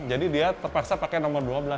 dia terpaksa pakai nomor dua belas